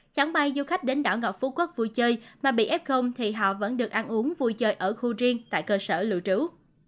chẳng bay du khách đến đảo ngọc phú quốc vui chơi mà bị f thì họ vẫn được ăn uống vui chơi ở khu riêng tại cơ sở lưu trú